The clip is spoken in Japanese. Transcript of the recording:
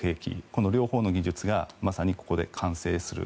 この両方の技術がまさにここで完成する。